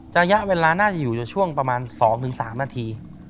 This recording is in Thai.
ระยะเวลาน่าจะอยู่ในช่วงประมาณ๒๓นาที